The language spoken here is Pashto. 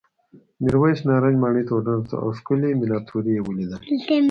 میرويس نارنج ماڼۍ ته ورننوت او ښکلې مېناتوري یې ولیدل.